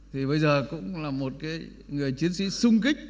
thì bây giờ cũng là một cái người chiến sĩ sung kích